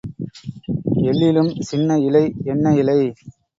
எள்ளிலும் சின்ன இலை என்ன இலை?